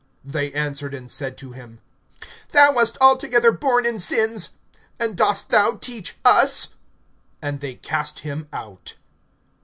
(34)They answered and said to him: Thou wast altogether born in sins, and dost thou teach us? And they cast him out.